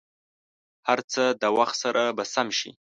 هر څه د وخت سره به سم شي.